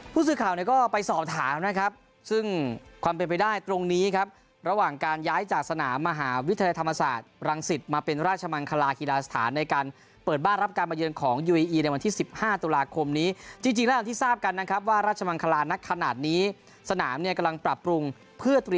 ผู้สื่อข่าวเนี่ยก็ไปสอบถามนะครับซึ่งความเป็นไปได้ตรงนี้ครับระหว่างการย้ายจากสนามมหาวิทยาลัยธรรมศาสตร์รังสิตมาเป็นราชมังคลากีฬาสถานในการเปิดบ้านรับการมาเยือนของยูเออีอีในวันที่๑๕ตุลาคมนี้จริงแล้วอย่างที่ทราบกันนะครับว่าราชมังคลานักขนาดนี้สนามเนี่ยกำลังปรับปรุงเพื่อเตรียม